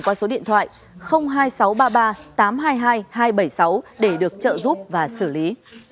qua số điện thoại hai nghìn sáu trăm ba mươi ba tám trăm hai mươi hai hai trăm bảy mươi sáu để được trợ giúp và xử lý